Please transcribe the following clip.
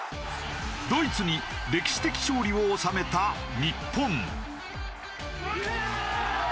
ドイツに歴史的勝利を収めた日本。